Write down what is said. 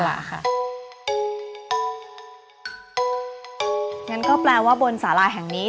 งั้นก็แปลว่าบนสาราแห่งนี้